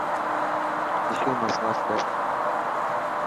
ششو مان ساف ڪر.